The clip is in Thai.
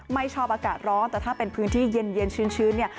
ไม่ชอบอากาศร้อนแต่ถ้าเป็นพื้นที่เย็นชื้นเนี่ย